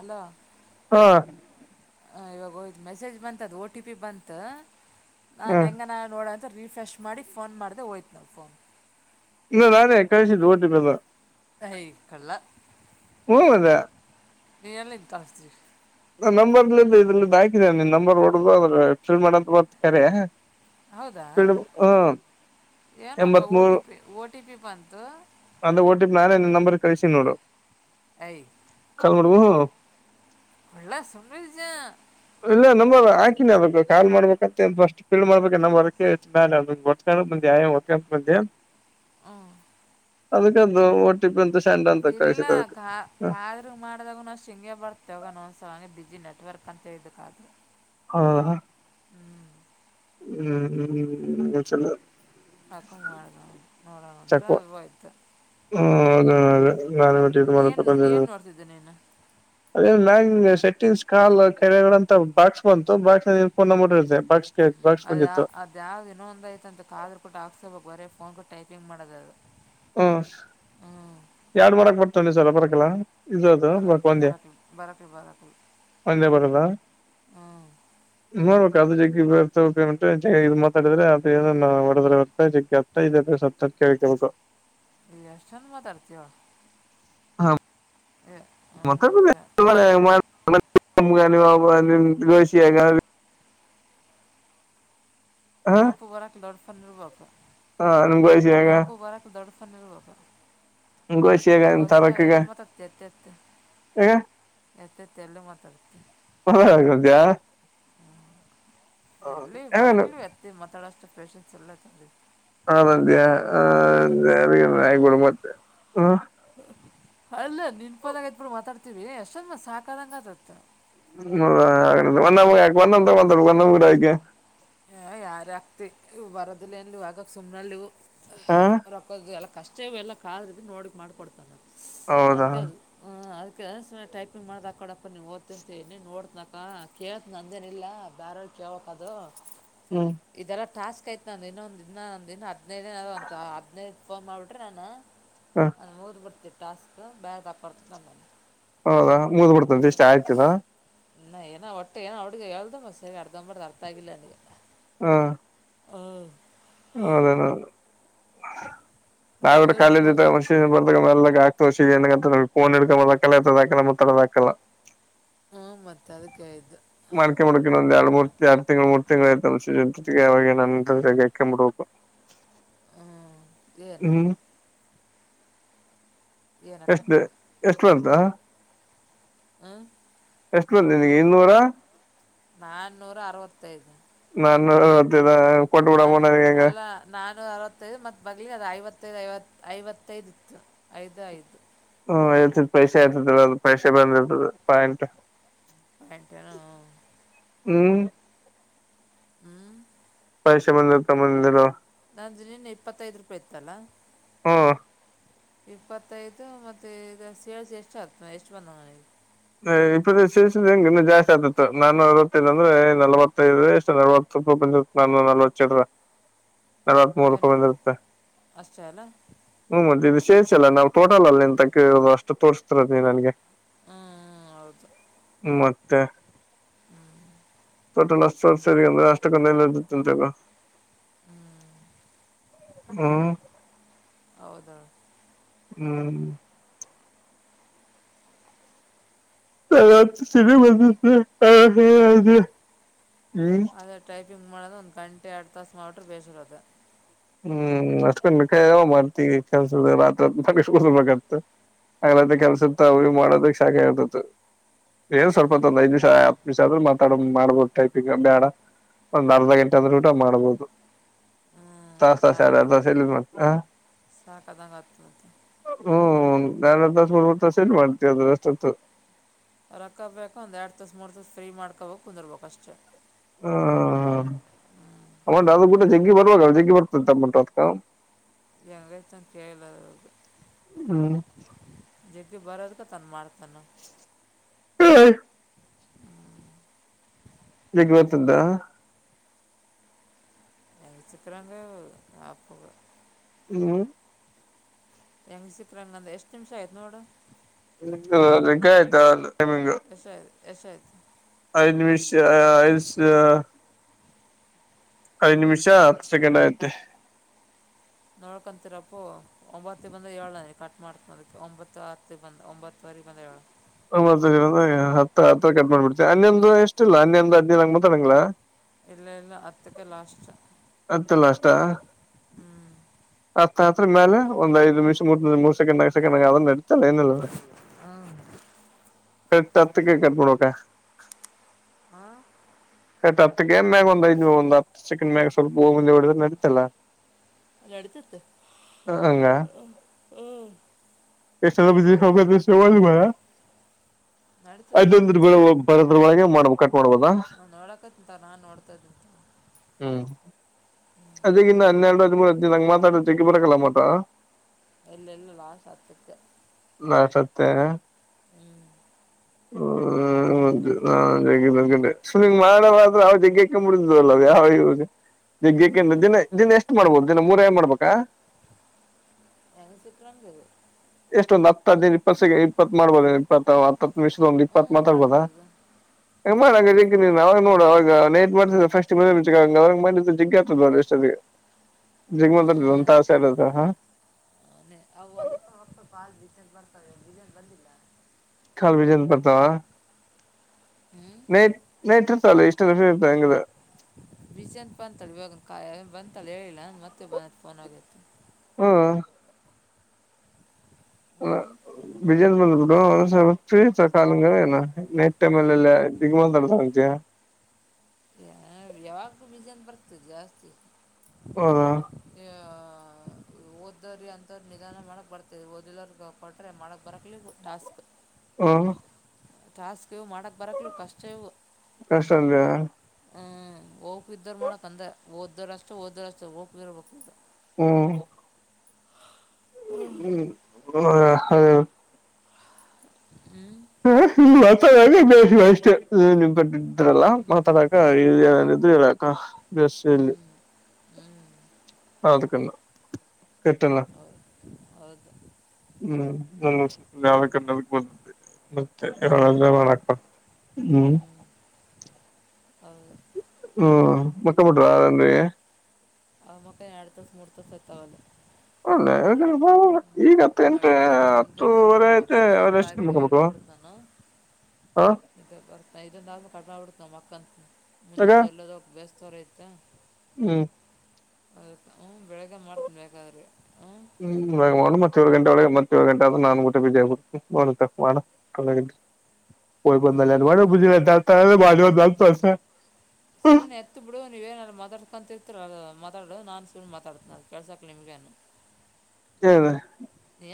Hello ಹಾ ಇವಾಗಯದು message ಬಂತ ಅದು ಓ ಟಿ ಪಿ ಬಂತ ಹಾ ನಾನು ಹೆಂಗ ನ ನೋಡ ರೀಫ್ರೆಶ್ ಮಾಡಿ ಫೋನ್ ಮಾಡಿದೆ ಹೋಯ್ತು ನಾವು ಫೋನ್ ಇಲ್ಲಾನೇ ಕಳಸಿದ್ದು ಡ್ಲ್ಲ [inaudible] ಹೇ ಕಳ್ಳ ಹ್ಮ ಅದೇ ನೀ ಎಲ್ಲಿಂತಾಸ ನಂಬರ್ಲ ಇದ್ರ ಹಾಕಿದ ನೀನ್ ನಂಬರ್ ಹೊಡದು ಅದ್ರ ಫಿಲ್ ಮಾಡದು ಹೊ ಕರೆ ಹೌದಾ ಫಿಲ್ ಹ್ಮ್ ಏನಪ್ಪ O T P O T P ಬಂತು ಅಂದ ಓಟಿ ಪಿ ಮ್ಯಾಲಲೆ ನಿನ್ನ ನಂಬರ್ ಕಳಿಸಿ ನೋಡು ಏಯ ಹ ಎಲ್ಲಾ ಸನ್ಜಾ [inaudible] ಇಲ್ಲ ನಂಬರ್ ಹಾಕಿನಿ ಅದಕೆ ಕಾಲ್ ಮಾಡ್ಬೇಕಂತಸ್ಟ್ ಫೀಡ್ ಮಾಡ್ಬೇಕ ನಂಬ ಅ ನಾನ ಅ ಬಂದೆ ಆಯ ಹೊತ್ತ ಬಂದೆ ಹ್ಮ [inaudible] ಅದಕ್ಕಂತ ಒಟ್ಟಿಪ್ಪ ಅಂತ ಸೆಂಡ್ ಅಂತ ಇಲ್ಲ ಕಳ್ಸಿದ್ ಅದಕ್ಕೆ ಕಾ ಕಾದ್ರ ಮಾಡ್ದಾಗನು ಅ ಶಿಂಗಗೆ ಬರ್ತವಗ ಒಂದಸ ಹಂಗ ಬಜಿ ನ ನೆಟ್ವರ್ಕ್ ಅಂತ ಹೇಳಕ್ಕಾದ್ರೆ ಹಾ ಹ್ಮ್ ಹ್ಮ್ ಹ್ಮ್್ಮ ಚಲ್ಲ ಅಕಂಗ ಮಾಡ ನೋಡೋಣಂತ ಅದವೋಯ್ತು ಹ್ಮ ಅದೇ ಅದೇ ನಾನೇ ಬಿಟ್ಟ ನೀನು ಮಾಡ ಏನು ಏನು ನೋಡ್ತಿದ್ದೆ ನೀನು ಅದ ನ್ ಸೆಟ್ಟಿಂಗ್ಸ್ ಕಾಲ್ ಕೆರೆಗಳಂತ ಬಾಕ್ಸ್ ಬಂತು ಬಾಕ್ಸ್ ನಲ್ಲಿನ್ ಫೋನ್ ನಂಬರ್ ಇರುತ್ತದೆ ಬಾಕ್ಸ್ ಬಾಕ್ಸ್ ಅದ ಬಂದಿತ್ತು ಅದ ಯಾವ್ದ ಇನ್ನೊಂದ್ ಐತ ಅಂತ ಕಾದ್ರ ಕೊಟ್ಟು ಹಾಕ್ಸೋಬೇಕು ಬರ ಫೋನ್ ಟೈಪಿಂಗ್ ಮಾಡೋದ ಅದು ಆಫ ಹ್ಞೂ ಎರಡ್ ಮೂರಕ್ ಬರ್ತಿ ಸಲ ಬರಕಲ್ಲಾ ಬರ ಬರಾಕ್ಕೆ ಬರಕ್ಕೆಲಿ ಬರಕ್ ಹ್ಮ್ ಮರ ಕದು ಜ ಇದ ಮಾತಾಡಿದ್ರ ಅದಡದ್ರ ಬರ್ತ ಜತಾ ಸ [inaudible] ಎಷ್ಟನ್ ಮಾತಡ್ತೋ ಹ ಮತ್ತ ಚ ಮು ದಷಿಯ [inaudible] ಅ ಅಪ್ಪ ಬರಕ್ಕೆ ಲೋಡ್ಫನ್ರುವಪ ಹಾ ಅನ್ಕಯಸಾಗ ಪನ್ನರಪ [inaudible] ಗೋಷಿಯಗ ತರಕಗ ಹಗ ಎಷ್ಟ ತೆಲ್ಲ ಮಾತಾಡ್ತ ಹದ ಎಲ್ಲಿ ಬರಕ್ಲಿ ಎತ್ತ ಮಾತಾಡಷ್ಟು ಪೇೇಶನ್ಸ್ ಎಲ್ಲರಿ [inaudible] ಆ ನಂದ್ಯಾ ಮತ್ತೆ ಹ ಅಲ್ಲ ನಿನ್ಪಂದಾಗ ಎದ್ಬಿಟ್ಟ ಮಾತಾಡ್ತಿೀವಿ ಅಷ್ಟೊಂದ ಸಾಹಕಾರಂಗ ಅದತ್ ಹಡ ಆಯ ಹ ಯಾರ ಆಗ್ತಿ ಇವು ಬರೋದಿಲ್ಲನ್ ಆಗಕ್ ಸುಮ್ನಲ್ಲಿವು ಹ ರೊಕ್ಕ ಎ ಕಷ್ಟವ ಎಲ್ಲ ಕಾದ್ರ ಬಿ ನೋಡಕ್ಕೆ ಮಾಡಿಕೊಡ್ತಾನ ಹೌದಾ ಅದಕ್ಕೆ ಅದು ಅದಕ್ಕೆ ಟೈಪಿಂಗ್ ಮಾಡ್ದ್ಾಕಡಪ್ಪ ನೀವು ಓ್ತಿ ಅಂತಏಿ ನೋಡತನಕ ಕೇಳ್ತನ ನಂದೇನಿಲ್ಲ ಬೇಾರ ಹಕ್ದು ಹ್ಮ್ ಇದೆಲ್ಲ ಟಾಸ್ಕ್ ೈತ್ ನಂದ ಇನ್ನೊಂದ ದ ಇಂದಿನ ಹದಿನೈದೇನದ ಒಂದ ಹದಿನೈದು ಫೋನ್ ಮಾಡ್ಬಿ್ರೆ ನಾನು ಹ ಅದ ಊದ ಬಿಡ್ತ ಟಾಸ್ಕ್ ಬೇರೆ ತತ ನ ಹೌದಾ ಮುದ್ ಬಿಡ್ತಂತೆ ಎಷ್ಟ ಆಯ್ತದಾ ನಾ ಏನೋ ಒಟ್ಟೆ ಏೋ ಹುಡ್ಗ ಹೇಳ್ದ ಸೇವೆ ಅರ್ಧೊ್ ಮಾಡ್ದ್ ಅರ್ಥಗಿಲ್ಲ ಅ ಹಾ ಹ ಹೌದೇನ ಆ, ನಾವಿ್ರ ಬರೀ ಕಾಲೇಜ್ ಫೋನ್ ಇದ್ದಾಗ ಮಷನ್ ಬರ್ದಾಗ ಮ ಆಗ್ತರ್ಏ ಫೋನ್ ಇಡ್ಕದಾಕ್ಕಲ್ಲದ ಹಾಕಲ್ಲ ಮತ್ತದಾಕಲ್ಲ ಹ್ಮ ಮತ್ತೆ ಅದ ಕೇಳಿದ್ದು ಮಕಿ ಮುಣ ಆರು ತಿಂಗಳು ಮೂರು ತಿಂಗಳು ಆಐಬೇಕು ಹ್ಮ್ ಏನು ಏನಕ್ಕ ಎಷ್ಟು ಎಷ್ಟು ಬರ್ದಾ ಹ್ಮ ಎಷ್ಟು ಬಂದ ನಿಗೆ ಇನ್ನೂರ ನಾಾನೂರ ಅರವತ್ತೈದು ನಾನು ತಿದ ಕೊಟ್ಟಬಿಡಮ್ಮ ನಾನು ನನಗೆ ಹೆಂಗ ಅಲ್ಲ ನಾನ್ನೂರ ಅರವತ್ತೈದು ಮತ್ ಮಗ್ಲಿ ಅದ ಐವತ್ತೈದು ಐವ ಐವತ್ತೈದು್ ಇತ್ತು ಐದು ಐದು ಹ್ಮ ಹೇಳ್ತತಿ ಪೈಸೆ ಆರ್ತದಲ್ಲ ಅದು ಪೈಸೆ ಬಂದ್ಿರ್ತದ ಪಾಯಿಂಟ್ ಎಂಟ ಹ ಹ್ಮ್ ಹ್ಮ್ ಪೈಷ ಮಂದಿರ ತ ಮಂದಿರ ನಂದ ನಿನ್ ಇಪ್ಪತ್ತೈದು್ ರೂಪಾಯಿ ಇತ್ತಲ್ಲಾ ಹಾ ಇಪ್ಪತ್ತೈದು ಮತ್ತೆ ಇದ ಸೇಳ್ಸಿ ಎಷ್ಟು ಆತ ಎಷ್ಟು ಬಂದವನಿಗೆ ಇಪ್ಪತ್ತ ಶೇಷ ಹೆಂಗಗೆ ಇನ್ನು ಜಾಸ್ತಿ ಆತಿತ್ತು ನಾನು ಅರವತ್ತೈ ಅಂದ್ರೆ ನಲವತ್ತೈದು ಇಷ್ಟು ನವತ್ತು ಸ್ವಲ್ಪ ಬಂದ ನಾನು ನ್ರ ಹ ಅರವತ್ತ್ ಮೂರುಕಾಯ ಬಂದಿರುತ್ತೆ ಅಲ್ಲ ಹ ಮ ಸೇರಿಸ ಅಲ್ಲ ನಾವು ಟೋಟಲ್ ಅಲ್ಲಿ ನಿಂತ ತೆಗೋದು ಅಷ್ಟು ತೋರಿಸಸ್ತಿರದ ನೀಿ ನನ್ಗೆ ಹ್ಞೂ ಹೌದು ಮತ್ತೆ ಟೋಟಲ್ ಅಷ್ಟ ಸರಿ ಅಂದ್ರೆ ಅಷ್ಟಕ್ಕಲ್ಲ್ದತ್ತುಂತಗ ಹ್ಮ್ ಹ್ಮ್ ಹೌದ ಹ್ಮ್ ತಿ ಬ ಹ ಹ ಅದೆ ಹ್ಮ ್ ಮಾಡ ಒಂದು ಗಂಟೆ ಎರಡು ತಾಸು ಮಾಿಟರು ಬೇಸಿಡೋದು ಹ್ಮ್ ಅಷ್ಟಕೊಂಡ ಮಾಡ್ತಿ ಕೆಸ ರತ್ಬೇಕಾಗತ್ತ ಆಗ್ಲತ್ತ ಕೆಲ್ಸತ್ ಅವ ಮಾಡೋದಕ್ಕೆ ಸಾಖೆ ಆರ್ತತ್ತು ಏನ್ ಸ್ವಲ್ಪ ಒಂದು ಐ್ ನಿಮ್ಷ ಹತ್ತು ನಿಮ್ ಆದ್ರರು ಮಾತಾಡ ಮಾಡ್ಬೋದು ಟೈಪಿಂಗ ಬೇಡ ಒಂದ್ ಅರ್ಧ ಗಂಟೆ ಅಂದ್ರೂಟ ಮಾಡ್ಬೋದು ಹ್ಮ್ ತಾಸ ತಾಸ ಅಡ ತಾಸ ಎಲ್ಲ ಮತ್ತ ಸಾಕದಂಗ ಆತ ನಾಾನವತ್ತು ತಾಸ ಮೂವತ್ತು ತಾಸ ಲ್ಲಿ ಮಾಡ್ತೀವಿ ಅದ ಅಷ್ಟೊತ್ತು ರೊಕ್ಕಬೇಕು ಒಂದು ಎರಡು ತೋಸ ಮೂರು ತೋಸ ಫ್ರೀ ಮಾಡ್ಕೋಬೇಕು ಕುಂದಿರ್ಬೋ ಅಷ್ಟೇ ಹ ಅಮ್ಮಂಟ ಅದ ಗೂಡ ಜಗ್ಗಿ ಬರುವವಾಗ ಜಗ್ಗಿ ಬರ್ತ ಅಮ್ಮಂಟ ಅದ್ಕ ಎಂಗತ ಕೇಳದು ಹ್ಮ್ ಜಗ್ಗ ಬರೋದಕ ತಾನ ಮಾಡ್ತಾನ ಬಗ್ ಗತಂತ ನ ಚಕ್ಕರಂಗ ನಪ್ಪು ಹ್ಮ್ ಹೆಂಗ ಸಿತ್ರಂಗಂದ ಎಷ್ಟ್ ನಿಮಿಷ ಆಯ್ತು ನೋಡು ಅಾಯ್ತಾ ಅ ನಿಮಿಂಗ ಎಷ್ಟ ನಿಮಷ ಇ ಐದು ನಿಮಿಷ ಹತ್ತು ಸೆಕೆಂಡ್ ಆಯತೆೆ ನೋಡ್ಕಂತೀರಪ್ಪ ಒಂಬತ್ತ ಬಂದ ಏಳ್ುನ ಕಟ್ ಮಾಡ್ಕೋದ ಒಂಬತ್ತು ಹತ್ತ ಬಂದ ಒಂಬತ್ತುವರೆ ಬಂದ ಏಳ್ು ಹತ್ತ ಹತ್ತ ಕಟ್ ಮಾಡ್ಬಿಡ್ತವಿ ಅನ್ನಯಮ್ದ ಎಷ್ಟಿಲ್ಲ ಅನ್ನಯೊ್ದ ಹದ್ಿನ ಮಾತಾಡಂಗಲಾ ಇಲ್ಲ ಇಲ್ಲ ಅತ್ತುಕ್ಕೆ ಲಾಸ್ಟ್ ಹತ್ತಲ್ಲ ಅಷ್ಟ ಹ್ಮ್ ಅತ್ತ ಅತ್ರ ಮೇಲೆ ಒಂದ್ಐದು ನಿಮಿಷ ಮೂ ನಿಮಷ ಮೂರು ಸೆಕಂಡ್ ನ ಸೆಕಂಡ್ ಆಗ ಅದ್ರ ನಡೀತಲ್ಲ ಏನ ಹ ಕತತ್ತ ಕೈಕಬಡೋಕ ಹಾಂ ಹತ್ತು ಮ್ಯಾಗ್ ಇ ಚಿಕನ್ ಮ ಸ್ವಲ್ಪ ಹೋಗ ಮುಂದೆ ಹೊಡದ್ರ ನಡತಲ್ಲ. ಗಡಿಿತ ಇತ್ತು. ಹ ಹಂಗ. ಎಷ್ಟ್ರ ಬ ಮ ನಡೀತೈತೆ ನಿಂದು ಅದೊಂದ್ರ ಬೆಳ ಭರದ್ರವಾಗಿ ಮಾಡ್ಬೇಕ. ಮಾಡ್ಬೋದಾ ನಾ ನೋಡಕ ತಿಂತ ನಾನ್ ನೋಡ್ತದಂತ. ಅದಗಿಂದ ಹನ್ನೆರಡು ಹದಿಮೂರು ಹದ್ಿನ ನಂಗಗೆ ಮಾತಾಡೋ ಜಕ್ಕೆ ಬರಕಲ್ಲ ಮಟ. ಎಲ್ಲ ಎಲ್ಲ ಲಾಸ್ ಆತ್ಕ. ಹ. ಹ.... ಹ ನ ಸಮಿಂಗ್ ಮಾಡ್ರ ಅವ ಜಗ್ಗೆಾಕಬಿಡಿದಲ್ಲ ಯಾವ. ಹಾಂ ದಗ್ಗಕ್ರ ದಿನ ದಿನ ಎಷ್ಟು ಮಾಡ್ಬೋದು ದಿನ ಮೂರ ಏ ಮಾಡ್ಬೇಕಾ. ನನ ಚಿತ್ರಂದ. ಎಷ್ಟೊಂದ್ ಹತ್ತು ಹ ದಿನ ಇಪ್ಪತ್ ಇಪ್ಪತ್ ಮಾಡ್ಬೋದು ಇಪ್ಪ. ನಿಮಿಷದ ಒ್ ಇಪ್ಪತ್ ಹ್ಞೂ ಮಾತಾಡ್ಬೋದಾ ಮಾಡ್ಬೋದು ಮಾಡ ಅವಾಗ ನೋಡ ಅವಾಗ ನೈಟ್ ಮಾಡ್ತಫಸ್ ಅವಾಗ ಮಾಡ ಜಿಗ್ಗ ಆಗ್ತದ ಎಷ್ಟಿಗೆ ಜಿಗಮಂತ ಹ್ಞೂ ಸ ಇದ ಹ ಅವು ಅದಕ್ಕಲ್ಪಾಲ್ ಬೀಜನ್ ಬರ್ತವೆ ಬೀಜನ್ ಬಂದಿಲ್ಲ ಕಾಲು ಬಜ ಪತಾವ ಹ್ಞೂ ನಟ್ ನೇಟ್ ಲ್ಲ ಇಷ್ಟ ಲಷ ಇರ್ತಂಗ್ರ ಬಜಂತ ಬಂತಳ ಇವಾಗ ಕಾಯ ಬಂತಾಳ ಹೇಳಿಲ್ಲ ಮತ್ತೆ ಬಂದತ್ ಫೋನ್ ಆಗತ್ತು ಹ್ಮ ಹ್ಮ ಹ್ಞೂ ಬಿಜನ್ಸ್ ಬಂದ್ ಬಿಡು ಒಂದ ಕಾಲ ಏನು ನೈಟ್ ಟೈಮ ಎಲ್ಲ ದಿಗ ಮಾತಾಡ್ತಂತೆ ಯಾವಾಗ ಬೀಜನ್ ಬರ್ತದೆ ಜಾಸ್ತಿ ಹೌದಾ ಹಾ ಓದವ್ರಿ ಅಂತವ್ರ ನಿಧಾನ ಮಾಡಕ್ ಬರ್ತೇ ಓದಿಲ್ಲೋ ಕೊಟ್ರೆ ಮಾಡಕ್ ಬರಕ್ಲಿ ಟಾಸ್ಕ್ ಹ್ಮ ಟಾಸ್ಕ್ ಇವು ಮಾಡೋಕ್ಕೆ ಬರಕ್ಲೂ ಕಷ್ಟ ಇವು ಎಷ್ಟಂದಯ ಹ್ಮ್ ಓಪ ಇದ್ದರು ಮಾಡಾಕ್ ಅಂದ್ರೆ ಓದೋರು ಅಷ್ಟೇ ಓದೋರು ಅಷ್ಟ ಹಓೋಗ ಇದರ ಬ ಹ್ಮ್ ಹ್ಮ ಹ ಹ ಹ್ಮ್ ಹ ಮಾತಾಡಕ ಬೇ ಅಷ್ಟೇ ನೀ ನಿನ್ಪಟ್ಟಿದ್ರಲ್ಲ ಮಾತಾಡಕ ಇ ಅಲ್ಲಾಕ್ಕ ಬಸ್ಸಲ್ಲಿ ಹ್ಞೂ ಹ್ಞೂ ಹ ಅದ ಕ ಕೆಟ್ಟಲ್ಲ ಹದ ಹ್ಮ್ ನ ಸ್ವಲ್ಪ ಯಾವ ಕನ್ನ ಬಂದೆ ಮತ್ತೆ ಹ್ಞೂ ಯಾದ ಮಾಡಕ್ ಬತ ಹ್ಮ್ ಹ್ಞೂ ಹೌದು ಹ್ಮ್ ಮಕ್ಕ ಬಿಟ್ರ ಅದನ್ೀ ಅವ ಮಕ್ಕ ಎರಡು ತಸ ಮೂಡ್ ತಿವಸ ಆತಾವಲ್ಲ ಹ ಹ್ಮ ಇಡ್ತಪ್ಪ ಮುಂಜಳೆ ಜಲ್ಲದ ಐತೆ ಬಪ್ಪ ಅವ್ರ ಇದಂತ ಎಷ್ಟು ಆಾಗಲಿ ಮುಖಬೇಕು ಇಟ್ಟು ಬಿಡ್ತಾನ ಹ ಇ ಇದೊಂದುಾದೂ ಕಟ್ ಮಾಡ ಬಿಿಡ್ತ ಮಕ್ಕಂತ ಆಗ ಮುಂಜೆ ಜಲ್ಲದೋಗಿ ಬೇಸ್ವರ ಇತ್ತ ಹ್ಮ್ ಅದ ಹ ಬೆಳಗ್ಗೆ ಮಾಡ್ತನ ಬೇಕಾದ್ರಿ ಹ ಇತ್ತೇಳು ಗಂಟೆ ಒಳಗೆ ಮತ್ತೇಳು ಗಂಟೆ ಆದ್ರ ನಾು ಗಊಟೆ ಬಿಜಗ್ ಮಾಡ ಬ ನಲ್ಲ ಬ ಹ್ಞೂ ಬುಜ ಬಾಜ ಬತ ಸುಮ್ಮನೆ ಎತ್ತು ಬಿಡ ನೀವೇನರ ಮದರತಂತ. ಮಾತಾಡೋದು ನಾನು ಸುಳ್ಳ ಮಾತಾಡ್ತೇನೆ ಅದು ಕೆಲ್ಸಕ ನಿಮಗೆ ಅನು. ಹೇಳ.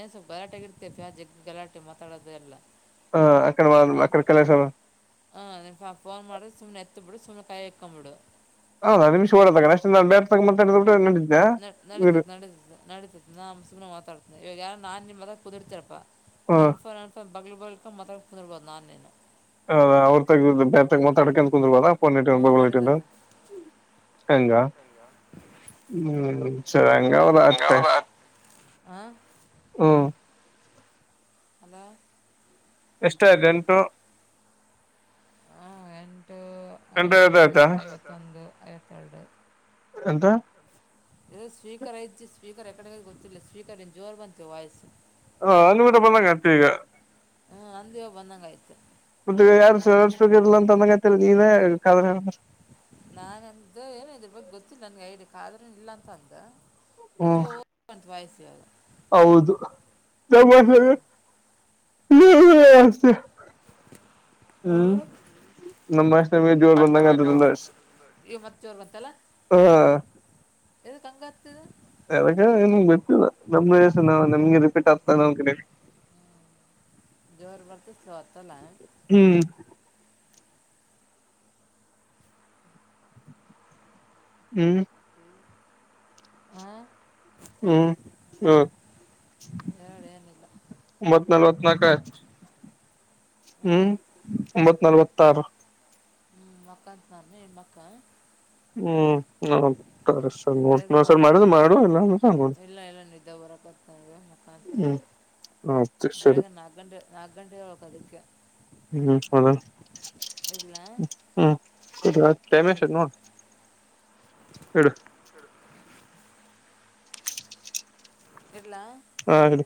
ನ ಸ್ವಲ್ ಗಲಾಟೆ ಇರ್ತೇ ಪಾಜ ಗಲಾಟೆ ಮಾತಾಡೋದು ಎಲ್ಲ. ಹಾ ಅಡೆ ಮಾಡ ಅನ್ ಅಕ್ಕಡೆ ಕಲಸರ ಹಾಂ ಫೋನ್ ಮಾಡಿದ್ರೆ ಸುಮ್ಮನೆ ಎತ್ತಬಿಡು ಸುಮ್ಮ್ನೆ ಕಾಯ ಎಕ್ಕೊಂಬಿಡು. ಹಾ ನಿಮಿಷ ೋದಾಗ ನೆ ನ ಬೇ ತಗಂತಬ ಬಿಟ್ಟೆ. ನ ನಡೀತತ್ ನಡೀತತ್ ನಡಿತತ ನಾ ಸುಮ ಮಾತಾಡ್ತೇನನೆ ಇವಾಗ ಯಾರು ನಾನ್ ನಿಮ್ಮ ಮದ ಕುದುಿರ್ತರಪ್ಪಾ ಹ [unintelligible] [inaudible] ಹ ಅವ್ರ ತಗ ಬೇರೆ ತಗ ಮ ಮಾತಡಕ ಅಂತ ಕುಂದ್ರುವದ ಹ್ಞೂ ಪಣಿಟ್ಟಬಿ ನಡೀತೈತೆ ಹಂಗ ಹ್ಮ ಸರಂಗ ಅವದತ. ಆ. ಹ್ಮ ಅದ. ಎಷ್ಟ ಗಂಟು. ಹಾ ಎಂಟು ಎಂಟ ಐವತ್ ಐವತ್ತು ಆಯ್ತಾ ಐವತ್ತೊಂದು ಐವತ್ತೇಳಡು. ಇ ಸ್ಪೀಕರ್ ಐತಿ ಸ್ಪೀಕರ್ ಎಕಡೆ ಗೊತ್ತಿಲ್ಲ ಸ್ಪೀಕರ್ ಇನ್ ಜೋರ್ ಬಂತೀವಿ ವಾಯ್ಸ್. ಹ ಅಲ್ಲಿ ಕಊಟ ಬಂದಂಗ ಆತಿ ಈಗ ಹ್ಮ್ ಅಂದೋ ಬಂದಂಗ ಆಯತ್ ಸ್ಬೇಕ ಇಲ್ಲ ಅಂತ ಅಂದಂಗೈತರಿ ನೀನೇ ಕ ನಾನ್ದ ಏನೋ ಇದ್ರ ಬಗ್ ಗೊತ್ತಿಲ್ಲ ನನ್ಗೆ ಐಡ್ರ ಇಲ್ಲ ಅಂತ ಅಂದ. ಈ ಹ್ಮ್ ಜೋ [inaudible] ವಾಯಸ ಹೌದು [unintelligible] [inaudible] ಹ್ಮ್ ನಮ್ಮಷನ ಜೋರು ಬಂದಂಗ ಅಂತ ತಂದ್ರ [unintelligible] ಯಗ ಂಗ ಗತ್ತಿಲ್ಲ ನಮ್ ವಸ ನ ನಮ್ಗೆ ರಿಪೀಟ್ ಆಗ್ತ ನ ಕ ಜರ ಬರ್ತಿ ಸ್ ಸ್ವತಲ್ಲ ಹ್ಮ್ ಹ್ಮ್ ಹ ಹ್ಮ್ ಹ್ಮ್ ಎರಡು ಏನಿಲ್ಲ ಮತ್ನಲ್ತ್ನಾಕ ಹಾಂ ಹ್ಮ್ ಒಂಬತ್ ನಲ್ವತ್ತ ಆರು. ಹ್ಮ್ ಮಕ್ಕಾಂತ ನಾರಾಮ ಮಕ್ಕಾ. ಹ್ಮ್ ನ ಸರ್ ನೋಡ್ ಬೆಳಗ್ಗೆ ನ ಸರ್ ಮಾಡ ಮಾಡ್ತಿರ್ತಾಳ ಮಾಡ ಇಲ್ಲ ಅಂದ್ರೋ. ಬರಕತಾವೆ ಮುಖಾಂತನ ಸರಿ ಬೆಳಗ್ಗೆ ನಾಲ್ಕು ಗಂಟೆ ನಾಲ್ಕು ಗಂಟೆಗೆ ಒಳಕ ಹೇಳಬೇಕ ಅದಕ್ಕೆ. ಹ್ಮ್ ಹೌದ ಇಡ್ಲಾ ಹ್ಮ್ ಟೈಮ್ ಎಷ್ಟ ಆಯ್ತ್ ನೋಡ. ಇಡು. ಇಡ್ಲಾ. ಹಾ ಇಡು.